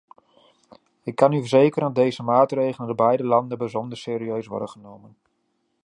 Ik kan u verzekeren dat deze maatregelen door beide landen bijzonder serieus worden genomen.